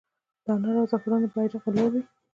د انار او زعفرانو بیرغ به لوړ وي؟